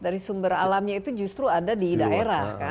dari sumber alamnya itu justru ada di daerah kan